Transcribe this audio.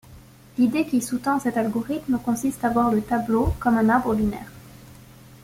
L'idée qui sous-tend cet algorithme consiste à voir le tableau comme un arbre binaire.